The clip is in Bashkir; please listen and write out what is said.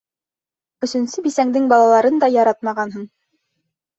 Өсөнсө бисәңдең балаларын да яратмағанһың.